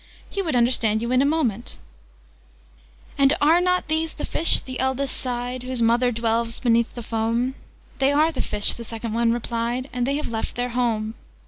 He would understand you in a moment! {Image...'Those aged one waxed gay'} "'And are not these the Fish,' the Eldest sighed, 'Whose Mother dwells beneath the foam' 'They are the Fish!' the Second one replied. 'And they have left their home!'